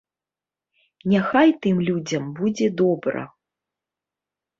Няхай тым людзям будзе добра.